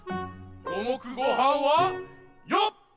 ごもくごはんはよっ！